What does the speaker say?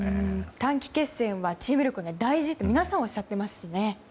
短期決戦はチーム力が大事と皆さんおっしゃってますしね。